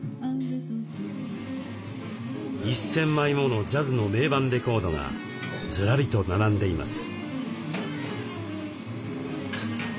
１，０００枚ものジャズの名盤レコードがずらりと並んでいます。